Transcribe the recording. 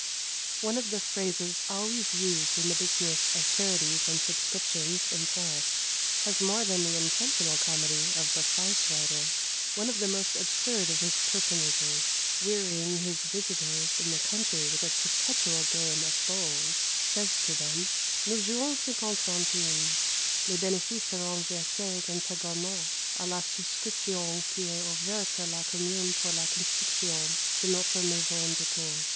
One of the phrases always used in the business of charities and subscriptions in France has more than the intentional comedy of the farce writer; one of the most absurd of his personages, wearying his visitors in the country with a perpetual game of bowls, says to them: "Nous jouons cinquante centimes les benefices seront verses integralement a la souscription qui est ouverte a la commune pour la construction de notre maison d'ecole."